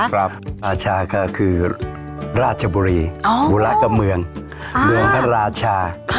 ปราบราชาก็คือราชบุรีบุระกับเมืองเมืองพระราชา